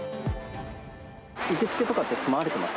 受け付けとかって済まれてます？